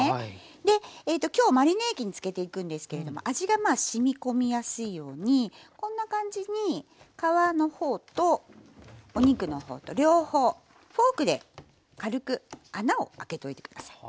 で今日マリネ液に漬けていくんですけれども味がまあしみこみやすいようにこんな感じに皮の方とお肉の方と両方フォークで軽く穴を開けといて下さい。